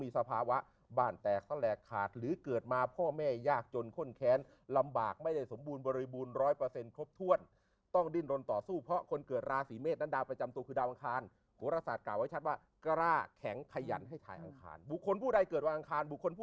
ชื่นใจจนคิดว่าชีวิตในวัยเด็กนะครับ